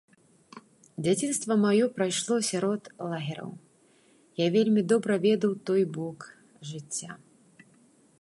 Дзяцінства маё прайшло сярод лагераў, я вельмі добра ведаў той бок жыцця.